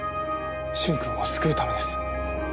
駿君を救うためです。